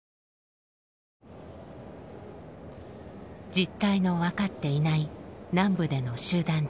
実態の分かっていない南部での集団自決。